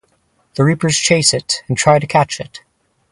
The reapers chase it and try to catch it.